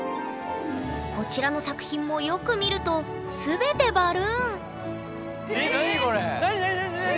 こちらの作品もよく見ると全てバルーン。